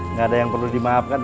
nggak ada yang perlu dimaafkan